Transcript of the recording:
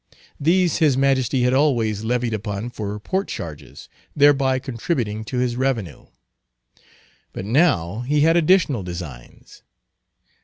These His Majesty had always levied upon for port charges, thereby contributing to his revenue. But now he had additional designs.